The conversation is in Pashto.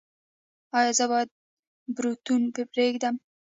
ایا زه باید بروتونه پریږدم؟